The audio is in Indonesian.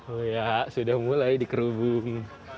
oh ya sudah mulai dikerubung